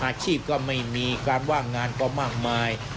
ก็ไม่มีการว่างงานก็มากมาย